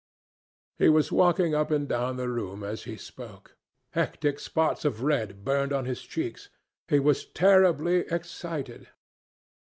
He was walking up and down the room as he spoke. Hectic spots of red burned on his cheeks. He was terribly excited.